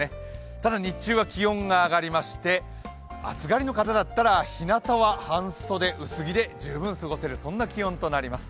ただ日中は気温が上がりまして、暑がりの方だったらひなたは半袖、薄着で十分過ごせる気温になります。